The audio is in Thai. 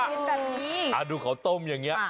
ถ้าดูขัวต้มอย่างเนี้ย